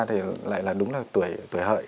thì lại là đúng là tuổi hợi